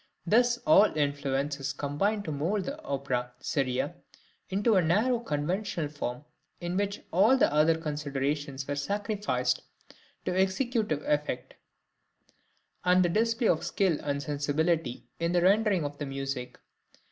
Thus all influences combined to mould the opera seria into a narrow conventional form, in which all other considerations were sacrificed to executive effect, and the display of skill and sensibility in the rendering of the music.